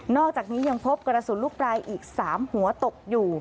อกจากนี้ยังพบกระสุนลูกปลายอีก๓หัวตกอยู่